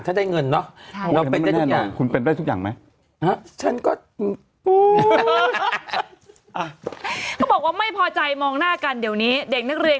เขาบอกว่าไม่พอใจมองหน้ากันเดี๋ยวนี้เด็กนักเรียน